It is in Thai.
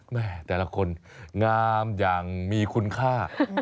แต่ละคนงามอย่างมีคุณค่า